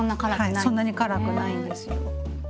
はいそんなに辛くないんですよ。